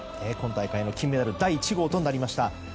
今大会の金メダル第１号となりました。